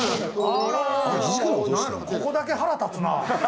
ここだけ腹立つな。